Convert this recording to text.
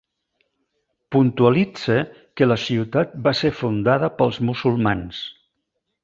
Puntualitze que la ciutat va ser fundada pels musulmans.